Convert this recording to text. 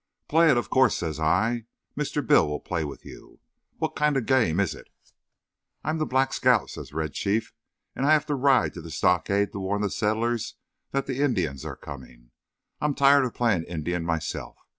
"Play it, of course," says I. "Mr. Bill will play with you. What kind of a game is it?" "I'm the Black Scout," says Red Chief, "and I have to ride to the stockade to warn the settlers that the Indians are coming. I'm tired of playing Indian myself.